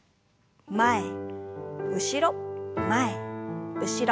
前後ろ前後ろ。